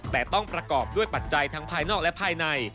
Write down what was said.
แต่ต้องประกอบด้วยปัจจัยทั้งภายนอกและภายใน